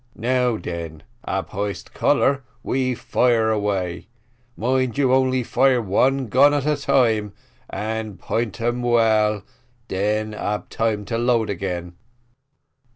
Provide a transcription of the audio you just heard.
Now den, ab hoist colour, we fire away mind you only fire one gun at a time, and point um well, den ab time to load again."